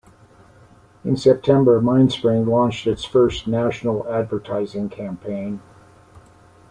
In September MindSpring launched its first national advertising campaign.